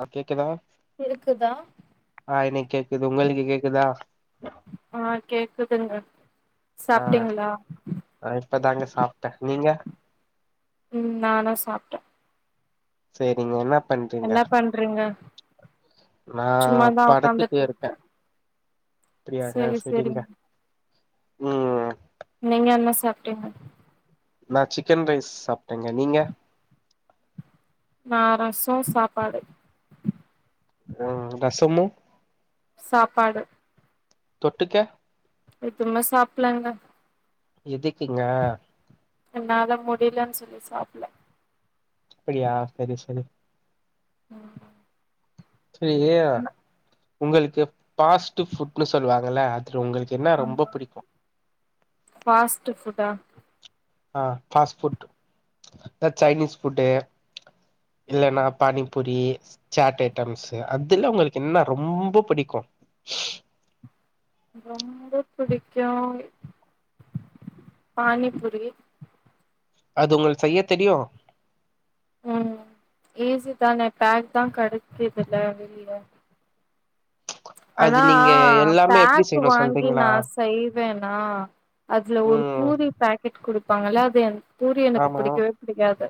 ஆ கேக்குதா இருக்குதா ஆ எனக் கேக்குது உங்ளுக்கு கேக்குதா ஆ கேக்குதுங்க சாப்ட்டீங்களா ஆ இப்பதாங்க சாப்டே நீங்க ம் நானு சாப்டே சேரிங்க என்னப் பண்றிங்க என்ன பண்றீங்க நா சும்மாதா படத்துட்டு உக்காந்துட்டு இர்கே இருக்கே அப்டியாங்க செரிங்க ம் நீங்க என்ன சாப்டீங்க நா சிக்கன் ரைஸ் சாப்ட்டேங்க நீங்க நா ரசோ சாப்பாடு ஆ ரசமு சாப்பாடு தொட்டுக்க எதுமே சாப்லங்க எதுக்குங்க என்னால முடிலன்னு சொல்லி சாப்ல அப்டியா செரி செரி ம் செர்ரி உங்களுக்கு பாஸ்ட் ஃபுட்ன்னு சொல்லுவாங்கல அதுல உங்களுக்கு என்னா ரொம்ப புடிக்கு ஃபாஸ்ட்டு ஃபுட்டா ஆ ஃபாஸ்ட் ஃபுட் த ச்சைனீஸ் ஃபுட்டு இல்லனா பானிபூரி ச்சாட் ஐட்டம்ஸ்சு அதுல உங்களுக்கு என்ன ரொம்ப புடிக்கு ரொம்ப புடிக்கு பானிபுரி அது உங்களுக் செய்ய தெரியு ம் ஈஸி தான பேக்தா கடக்கிதுல வெளில அது ஆனா நீங்க ஆ எல்லாமே எப்டி பேக் செய்யணு வாங்கி சொல்றீங்களா நா செய்வேனா அதுல ஒரு ம் பூரி பேக் கிட் குடுப்பாங்கல்ல அது என் பூரி எனக்கு ஆமா புடிக்கவே புடிக்காது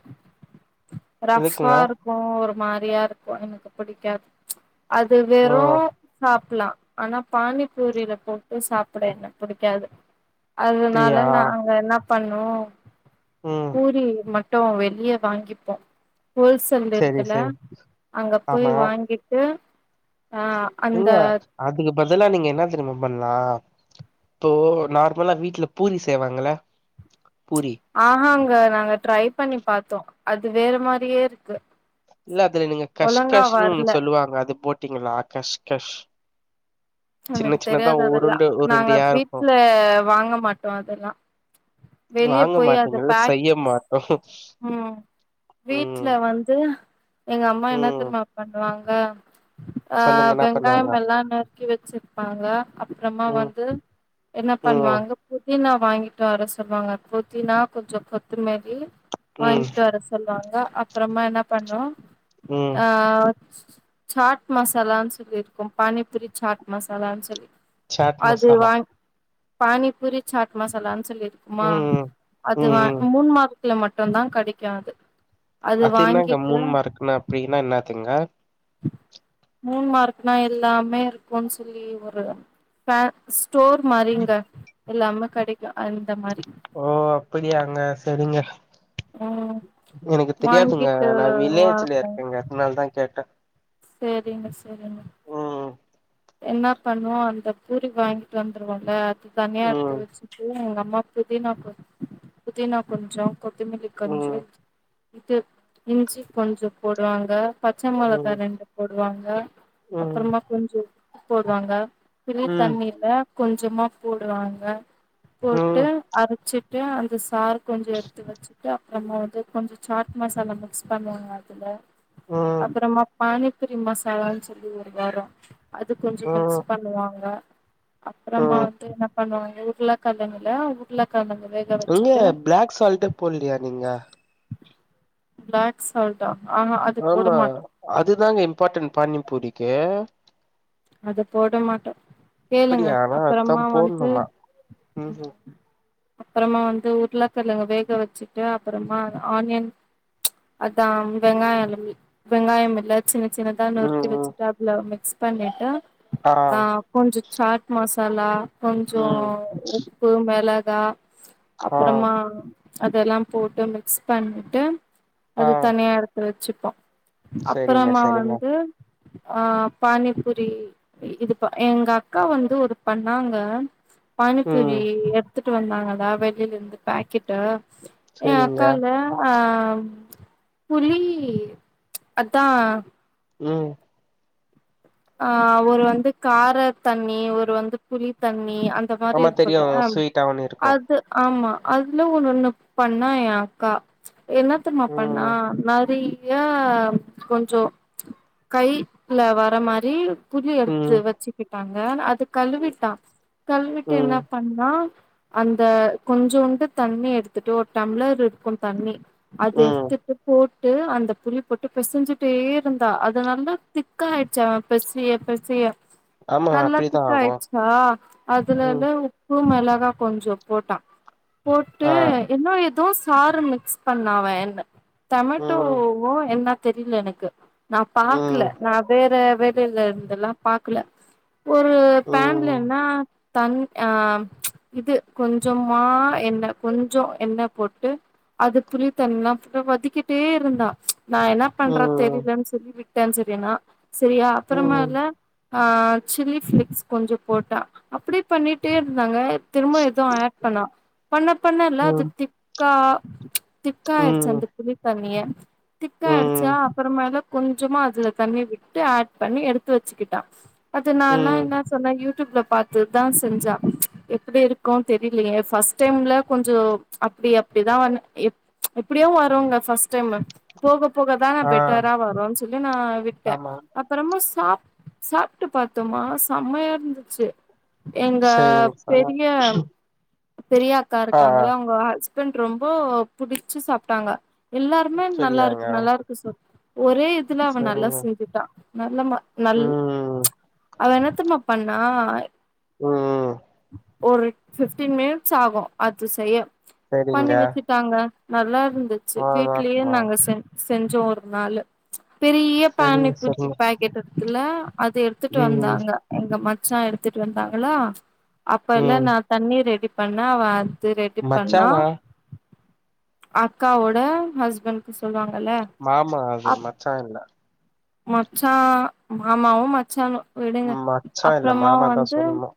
இருக்குங்க ரஃபாருக் மோ ஒரு மாரியா இருக்கு எனுக்குப் புடிக்காது அது ஓ வெறு சாப்பலா ஆனா பானிப் பூரிலப் போட்டு சாப்ட என்னக் புடிக்காது அதனால அப்டியா நாங்க என்னாப் பண்ணோ ம் பூரி மட்டு வெளியே வாங்கிப்போ ஓல்ஸ் செரி தென்ட்டுருக்குல செரி அங்கப் போய் ஆமா வாங்கிட்டு ஆ நீங்க அந்த அதுக்கு பதிலா நீங்க என்னாத் தெரியுமா பண்லா இப்போ நார்மலா வீட்ல பூரி செய்வாங்கள பூரி ஆஹாங்க நாங்க ட்ரை பண்ணி பாத்தோ அது வேற மாரியே இருக்கு இல்ல அதுல நீங்க ஒழுங்கா கஷ்கஷ்னு வரல ஒன்னு சொல்லுவாங்க அதுப் போட்டிங்களா கஷ்கஷ் எம சின்ன இப்பத் சின்னதா தெரியாத அதெல்லா உருண்டு நாங்க உருண்டையா இருக்கு வீட்ல வாங்க மாட்டோ அதெல்லா வெளியப் போய் அது பேக்ஸ் ஹ ம் வீட்ல வந்து எங்கம்மா என்னாத் ம் தெருமாப் பண்ணுவாங்க அ சொல்லுங்க என்ன பண்ணுவாங்க வெங்காயமெல்லா நறுக்கி வச்சிருப்பாங்க அப்றமா ம் வந்து என்னப் ம் பண்வாங்கப் புதினா வாங்கிட்டு வர சொல்லுவாங்கப் புதினா கொஞ்ச கொத்தமேதி ம் வாங்கிட்டு வர சொல்லுவாங்க அப்றமா என்னாப் பண்ணு ம் ஆ சாட் மசாலான் சொல்லிருக்கோ பானிபுரி சாட் மசாலான் சொல்லி சாட் அது மசாலா வாய்ங் பானிபூரி சாட் மசாலான் சொல்லிருக்குமா ம் ம் அதுவா ம் மூன் மாக்ல மட்டுந்தா கடைக்கு அது அது என்னங்க மூன் மார்க்னா அப்டினா என்னாதுங்க மூன் மார்க்னா எல்லாமே இருக்குன் சொல்லி ஒரு ஃபேன் ஸ்டோர் மாரிங்க எல்லாமே கெடைக்கு அந்த மாரி ஓ அப்பிடியாங்க செரிங்க ம் எனக்குத் தெரியாதுங்க வாங்கிட்டு நா வில்லேஜ்ல வாங்க இருக்கேங்க அதனாலதா கேட்டே சேரிங்க செரிங்க ம் என்னாப் பண்ணுவோ அந்தப் பூரி வாங்கிட்டு வந்துருவோங்க அது தனியா எடுத்து ம் வச்சுட்டு எங்கம்மாப் புதினா கொ புதினா கொஞ்சோ கொத்தமிலி கொஞ்சோ ம் இது இஞ்சி கொஞ்சப் போடுவாங்க பச்ச மெளகா ம் ரெண்டுப் போடுவாங்க ம் அப்றமா கொஞ்சோப் போடுவாங்க இலியித் ம் தண்ணி இருந்தா கொஞ்சமாப் போடுவாங்க ம் போட்டு அரச்சிட்டு அந்த சாரு கொஞ்சோ எடுத்து வச்சுட்டு அப்றமா வந்து கொஞ்சோ சாட் மசாலா மிக்ஸ் பண்ணுவாங்க அதுல ம் அப்பறமா பானிப்புரி மசாலான் சொல்லி ஒருவாரோ அதுக் கொஞ்சோ மிக்ஸ் ம் பண்ணுவாங்க அப்றமா ம் வந்து என்னப் பண்ணுவாங்க உருளக்கெழங்குல உருளக்கெழங்கு வேக் இங்க பிளாக் சால்ட்டே போல்லியா நீங்க பிளாக் சால்ட்டா ஆஹா அது போட ஆமா மாட்டோ அதுதாங்க இம்பார்ட்டன்ட் பானிபூரிக்கு அதுப் போட மாட்டோ கேளுங்க அப்படியா ஆனா அதா அப்றமா வந்து போட்ணுமா ம் ம் அப்றமா வந்து உருளக்கெழங்க வேக வச்சிட்டு அப்றமா ஆனியன் அத்தாம் வெங்காய இல்ல புளி வெங்காயம் இல்லத் சின்ன சின்னதா நொறுக்கி ம் வெஜிடேபிளே மிக்ஸ் பண்ணிட்டு ஆ கொஞ்சோ சாட் மசாலா கொஞ்சோ ம் உப்பு மெளகா ஆ அப்றமா அதெலாம் போட்டு மிக்ஸ் பண்ணிட்டு ஆ அதுத் தனியாக இருக் வெச்சுப்போ சரிங்க அப்புறமா சரிங்க வந்து ஆ பானி பூரி இது ப எங்க அக்கா வந்து ஒரு பண்ணாங்க ம் பானிப்பூரி எடுத்துட்டு வந்தாங்களா வெளியில இருந்து பாக்கெட்டு ஏ சரிங்க அக்கால ஆ புலி அதா ம் ஆ ஒரு வந்து கார தண்ணி ஒரு வந்து புலி தண்ணி அந் த மாரி ஆமா தெரியு இருக்குல்ல ஸ்வீட்டாவுன்னு அ இருக்கு து ஆமா அதுல ஒண்ணு ஒண்ணு பண்ணா ஏ அக்கா என்ன தெரியுமா பண்ணா ம் மாரி யா கொஞ்சோ கையில வர மாரி புளி எடுத்து ம் வெச்சுக்கிட்டாங்க அது கழுவிட்டா கழுவிட்டு ம் என்ன பண்ணா அந்த கொஞ்சோண்டு தண்ணி எடுத்துட்டு ஒரு டம்ளர் இருக்கு தண்ணி அது ம் எடுத்துட்டு போட் டு அந்த புளி போட்டு பெசஞ்சுட்டே இருந்தா அது நாலா திக் ஆயிடுச்சு அவ பெசய பெசய ஆமா நல்லா அப்படிதா திக் ஆகு ஆயிடுச்சா அதுல ம் இருந்தே உ ப்பு மெளகா கொஞ்சோ போட்டா போட்டு ஆ இன்னு எதோ சாறு மிக்ஸ் பண்ணா அவ என்ன ம் டமேட்டோவோ என்ன தெரில எனக்கு நா பாக்குல ம் நா வேற வேலையில இருந்தேல்ல பாக்குல ஒரு ம் பேன்லேனா தண் அ இது கொஞ்சமா எண்ணெ கொஞ்சோ எண்ணெ போட்டு அது புள்ளித்தண்ணிலா போட்டு வதக்கிட்டே இருந்தா நா என்ன பண்றா ம் தெரிலன்னு சொல்லி விட்டே சரியனா சரியா ம் அப்புறமால ஆ சில்லி ஃபிளேக்ஸ் கொஞ்சோ போட்டா அப்டியே பண்ணிட்டே இருந்தாங்க திரும்பவு எதோ ஆட் பண்ணா பண்ண பண்ணல்ல அது ம் திக்கா திக்காயிடுச்சு அந்த ம் புளி தண்ணியே திக்காயிடுச்சா ம் அப்புறமால கொஞ்சமா அதுல தண்ணி விட்டு ஆட் பண்ணி எடுத்து வெச்சுக்கிட்டா அது நாலா ம் என்ன சொன்னா யூடியூப்ல பாத்து தா செஞ்சா எப்டி இருக்குனு தெரிலயே ஃபர்ஸ்ட் டைம்ல கொஞ்சோ அப்டி அப்டிதா வந் எ எப்டியோ வருங்க ஃபர்ஸ்ட் டைமு போக போக தான ஆ பெட்டரா வருன்னு சொல்லி நா விட்டே ஆமா அப்புறமா சா சாப்ட்டு பாத்தோமா செம்மயா இருந்துச்சு எங்க சரிங்க சரிங்க. பெரிய பெரிய அக்கா ஆ ஆ இருக்காங்கல்ல அவங்க ஹஸ்பண்ட் ரொம்போ புடிச்சு சாப்ட்டாங்க எல்லாருமே நல்லா சரியாங்க இருக்கு நல்லா இருக்கு சொ ஒரே இதுல அவ நல்லா சரிங்க செஞ்சுட்டா நல்லம நல் ம் அவ என்ன தெரிமா பண்ணா ம் ஒரு பிஃப்டின் மினிட்ஸ் ஆகு அது செய்ய சரிங்க பண்ணி வெச்சு ட்டாங்க நல்லா இருந்துச்சு நல்லாதா வீட்லயே இருக்குமா நாங்க செ செஞ்சோ ஒரு நாளு பெரிய சரிங்க பானிப்பூரி சரிங்க கேட் இருக்குல அது எடுத்துட்டு ம் வந்தாங்க எங்க மச்சா எடுத்துட்டு வந்தாங்களா அப்பல்ல ம் நா தண்ணி ரெடி பண்ணா அவ அது ரெடி பண்ணா மச்சானா அக்காவோட ஹஸ்பண்ட்கு சொல்லுவாங்கல்ல மாமா அது மச்சா இல்ல ச்சா மாமாவு மச்சானு விடுங்க மச்சா இல்ல அப்புறமா மாமா தா வந்து சொல்லணு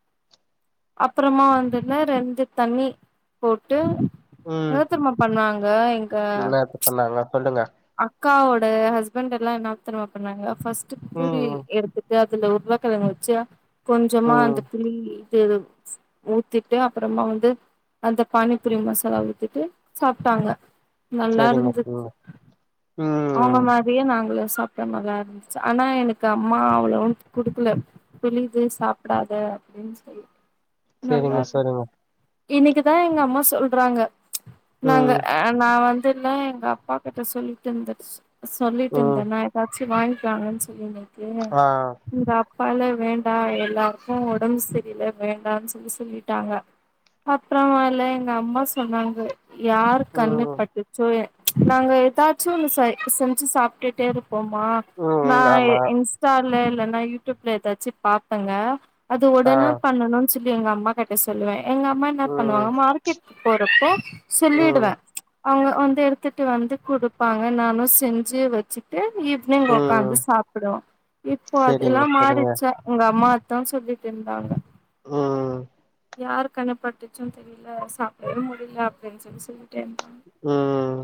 அப்புறமா வந்துல்ல ரெண்டு தண்ணி போட்டு ம் என்னத் தெரியுமா பண்ணாங்க என்னாது பண்ணாங்க சொல்லுங்க அக்காவோட ஹஸ்பண்டெல்லா என்னா தெரியுமா பண்ணுவாங்க ஃபர்ஸ்டு பூரிய ம் எடுத்து அதுல உருளகெழங்க வச்சு ம் கொஞ்சமா ம் அந்த புளி [unintelligible] ஊத்திட்டு அப்பறமா வந்து அந்த பானிபூரி மசாலா ஊத்திட்டு சாப்டாங்க நல்லா சரிங்க இருந்துச்சு ம் அவுங்க ம் மாதிரியே நாங்களு சாப்டோ நல்லா இருந்துச்சு ஆனா எனக்கு அம்மா அவ்ளோவா குடுக்கல வெளிய போயி சாப்டாத அப்டினு சொல் நல்லா சரிங்க இருந்துச்சு சரிங்க இன்னைக்குதா எங்க அம்மா சொல்றாங்க நாங்க ம் அ நா வந்துன்னா எங்க அப்பா கிட்ட சொல்லிட்டு இருந்துருச்சு சொல்லிட்டு ம் இருந்தேனா ஏதாச்சு வாங்கிக்கலாலனு சொல்லின்னைக்கி ஆ எங்கப் பால வேண்டா எல்லாருக்கு ஒடம் செரியில வேண்டானு சொல்லி சொல்லிட்டாங்க அப்றோ இல்ல எங்க அம்மா சொன்னாங்க யார் கண்ணு ம் பட்டுச்சோ எ நாங்க எதாச்சும் செ செஞ்சு சாப்டுட்டே இருப்போமா ம் நா ம் எ ஆமா எங் இன்ஸ்டால இல்லனா யூடியூப்ல எதாச்சு பாப்பங்க அது ஆ உடனே பண்ணனும்னு சொல்லி எங்க அம்மா கி ட்ட சொல்லுவே எங்க அம்மா என்ன ம் பண்ணுவாங்க மார்க்கெட்க்கு போறப்போ ம் சொல்லிடுவே அவங்க வந்து எடுத்துட்டு வந்து குடுப்பாங்க நானு செஞ்சு வச்சிட்டு ஈவினிங் உக்காந்து ம் சாப்புடுவோ இப்போ சரிங்க அதெல்லா சரிங்க மாறிடுச்சா உங்க அம்மாதா சொல்லிட்டு இருந்தாங்க ம் யாரு கண்ணுபட்டுச்சோனு தெரியல சாப்டவே முடியல அப்டினு சொல்லி சொல்லிட்டே இருந்தாங் ம்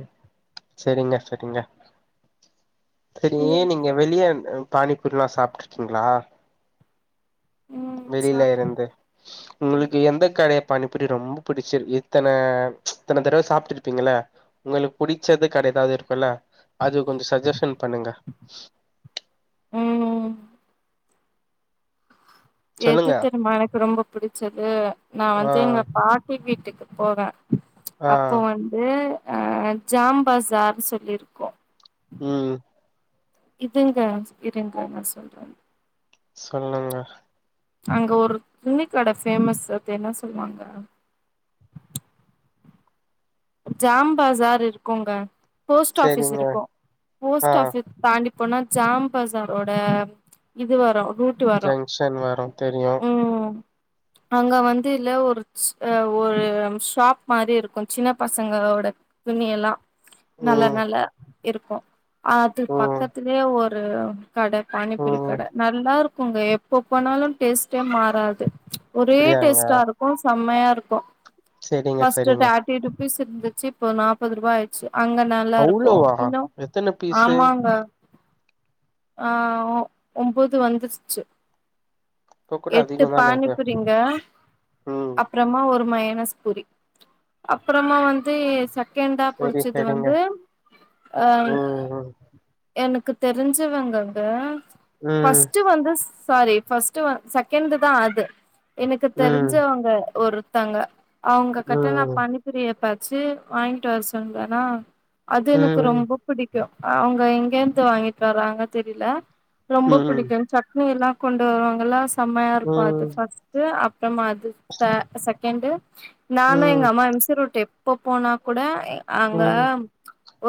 செரிங்க செரிங்க செரியே நீங்க வெளிய பானிபூரில்லா சாப்டுருக்கீங்களா ம் வெளியில சாப்டு இருந்து [inaudible] உங்களுக்கு எந்த கடைய பானிபூரி ரொம்ப பிடிச்சுருக் இத்தன இத்தன தடவ சாப்டுருப்பீங்கள உங்களுக்கு புடிச்சது கடையதாவது இருக்குல்ல அது கொஞ்ச சக்ஜஷன் பண்ணுங்க ம் எது சொல்லுங்க தெரிமா எனக்கு ரொம்ப புடுச்சது நா ஆ வந்து எங்க பாட்டி வீட்டுக்கு போவ ஆ அப்போ வந்து ஆ ஜாம் பசார்னு சொல்லிருக்கோ ம் இதுங்க இருங்க நா சொல்ற சொல்லுங்க அங்க ஒரு துணிக்கட ஃபேமஸு அது என்ன சொல்லுவாங்க ஜாம் பசார் இருக்குங்க போஸ்ட் ஆஃபிஸ் செரிங்க இருக்கு ஆ போஸ்ட் ஆஃபி தாண்டிப்போனா ஜாம் பசாரோட இது வரு ரூ ட்டு வரு ஜங்ஷன் வரு தெரியு ம் அங்க வந்து இல்ல ஒரு ஒரு ஷாப் மாரி இருக்கு சின்ன பசங்களோட துணி எல்லா நல்ல ம் நல்ல இருக்கு அது ம் பக்கத்திலே ஒரு கட பானிபூரி ம் கட நல்லா இருக்குங்க எப்ப போனாலு டேஸ்டே மாறாது ஒரே அப்டியாங்க டேஸ்டா இருக்கு செம்மையா இருக்கு செரிங்க ஃபர்ஸ்டு செரிங்க டேர்ட்டிடூ பீஸ் இருந்துச்சு இப்போ நாப்பது ரூபா ஆயிச்சு அங்க நா நல்லா இருக்கு அவ்ளோவா இன்னு எத்தன பீஸு ஆமாங்க ஆ ஒம்போது வந்துருச்சு இப்ப கூட எட்டு அதிகோ தான அது பானிபுரிங்க ம் அப்றமா ஒரு மைனஸ் பூரி அப்பறமா வந்து சட் கெண்டா செரி புடுச்சது செரிங்க வந்து அ ம் எனக்கு தெரிஞ்சவங்கங்க ம் ஃபஸ்ட்டு வந்து ஸ் சாரி ஃபஸ்ட்டு செகண்ட்தா அது எனக்கு ம் தெரிஞ்சவங்க ஒருத்தங்க அவங்க கிட்ட நா ம் பானிபபூரி எப்பாச்சு வாங்கிட்டு வர சொன்னனா அது ம் எனக்கு ம் ரொம்ப பிடிக்கு அவங்க எங்கயந்து வாங்கிட்டு வராங்க தெரில ரொம்ப பிடிக்கு சட்னி எல்லா கொண்டு வருவாங்கல்லா செமையா இருக்கு அது ஃபஸ்ட் ந்து அப்றமா அது செகண்டு ம் ம் நானு எங்க ம் அம்மா ருட்டு எப்ப போனா கூட அங்க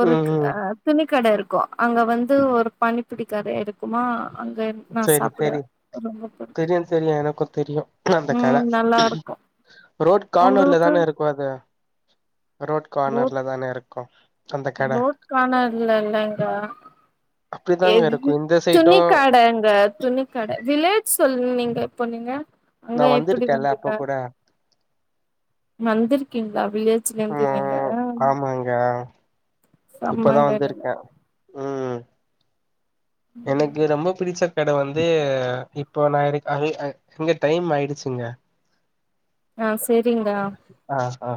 ஒரு ம் துணிக்கட இருக்கு அங்க வந்து ஒரு பானிபூரி கட இருக்குமா அங்க நா செரி சாப்பிட செரி ரொம்ப பிடிக்கு தெரியு தெரியு எனக்கு தெரியு க்குல அந்த கட ம் நல்லா இருக்கு ரோட் கார்னர்ல உங்களுக்கு தானே இருக்கு அது ரோட் கார்னர்ல தானே இருக்கு அந்த கட ரோட் கார்னர்ல இல்லங்க அப்டிதாங்க இருக்கு எது இந்த சைடு துணி கடங்க துணிக்கட வில்லேஜ் சொல்லு நீங்க போனீங்க நா அங்க எப்படி வந்திருக்கேன்ல வந்தீங்க அப்ப கூட வந்திருக்கீங்களா வில்லேஜ்ல இருந்து நீங்க அங்க இப்பதா செம்மங்க நீங்க வந்துருக்கே எனக்கு ரொம்ப பிடிச்ச கட வந்து இப் ப்ப நா இருக்க இங்க டைம் ஆயிடுச்சுங்க ஆ செரிங்க ஆஹ